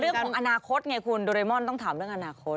เรื่องอนาคตโดรายมอนต้องถามเรื่องอนาคต